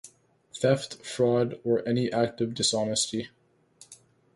Theft, fraud or any act of dishonesty.